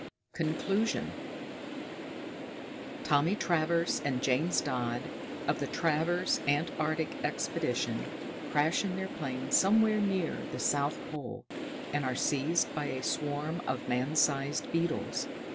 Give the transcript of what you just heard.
_] CONCLUSION Tommy Travers and James Dodd, of the Travers Antarctic Expedition, crash in their plane somewhere near the South Pole, and are seized by a swarm of man sized beetles.